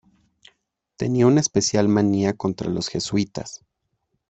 Tenía una especial manía contra los jesuitas.